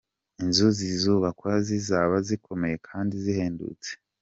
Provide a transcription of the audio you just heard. Inzu zizubakwa zizaba zikomeye kandi zihendutse.